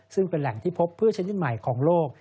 ซึ่งเป็นแหล่งที่พบพืชชนิดใหม่ของโลก